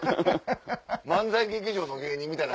漫才劇場の芸人みたいな。